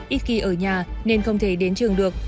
ít kỳ ở nhà nên không thể đến trường được